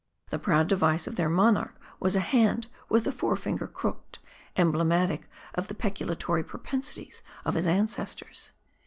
The proud device of their monarch was a hand with the forefinger crooked, emblematic of the peculatory propensities of his .ancestors.